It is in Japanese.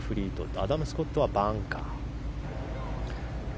アダム・スコットはバンカー。